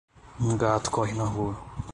Um gato corre na rua.